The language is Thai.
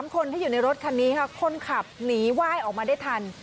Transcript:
คนที่อยู่ในรถคันนี้ค่ะคนขับหนีไหว้ออกมาได้ทัน